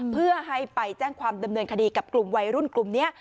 เพื่อให้ไปแจ้งความดำเนินคดีกับกลุ่มวัยรุ่นกลุ่มนี้